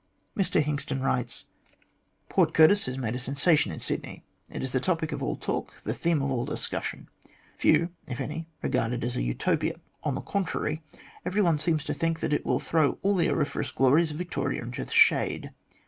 Mr Hingston writes :" Port Curtis has made a sensation in Sydney. It is the topic of all talk, the theme of all discussion. Few, if any, regard it as a Utopia ; on the contrary, every one seems to think that it will throw all the auriferous glories of Victoria into the shade.